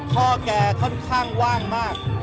พ่อแกค่อนข้างว่างมาก